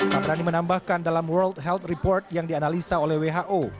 taprani menambahkan dalam world health report yang dianalisa oleh who